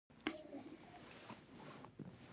کانت وویل نو بیا تاسي هم مین یاست.